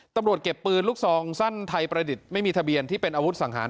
ตำรวจเก็บปืนลูกซองสั้นไทยประดิษฐ์ไม่มีทะเบียนที่เป็นอาวุธสังหาร